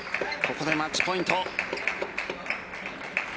ここでマッチポイント。